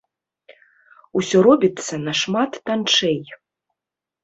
Усё робіцца нашмат танчэй.